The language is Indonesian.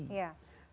dia kan berkata